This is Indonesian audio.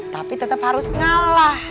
tapi tetep harus ngalah